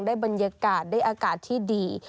ได้บรรยากาศได้อากาศที่ดี